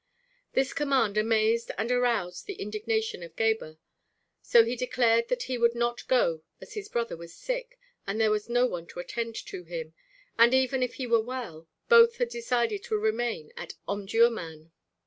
This command amazed and aroused the indignation of Gebhr; so he declared that he would not go as his brother was sick and there was no one to attend to him, and even if he were well, both had decided to remain in Omdurmân.